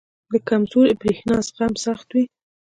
• د کمزوري برېښنا زغم سخت وي.